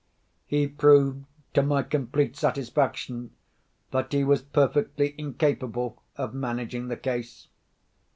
He proved to my complete satisfaction that he was perfectly incapable of managing the case.